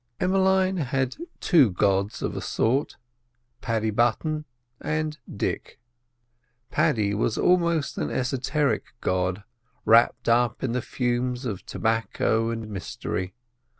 Emmeline had two gods of a sort: Paddy Button and Dick. Paddy was almost an esoteric god wrapped in the fumes of tobacco and mystery.